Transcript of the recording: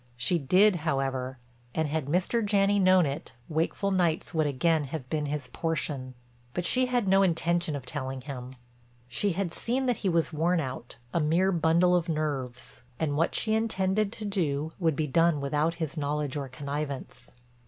She did, however, and had Mr. Janney known it wakeful nights would again have been his portion. But she had no intention of telling him. She had seen that he was worn out, a mere bundle of nerves, and what she intended to do would be done without his knowledge or connivance.